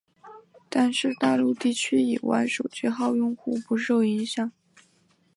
但是大陆地区以外手机号用户不受影响。